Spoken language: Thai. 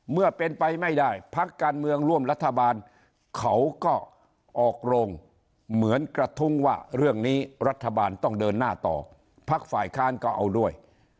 เมื่อเป็นไปไม่ได้พักการเมืองร่วมรัฐบาลเขาก็ออกโรงเหมือนกระทุ้งว่าเรื่องนี้รัฐบาลต้องเดินหน้าต่อพักฝ่ายค้านก็เอาด้วย